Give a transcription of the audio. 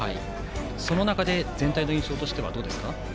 その中で全体の印象としてはどうですか。